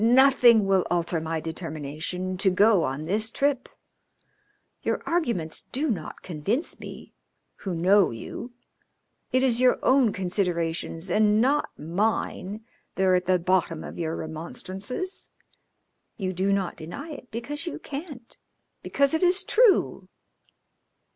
Nothing will alter my determination to go on this trip. Your arguments do not convince me, who know you. It is your own considerations and not mine that are at the bottom of your remonstrances. You do not deny it, because you can't, because it is true."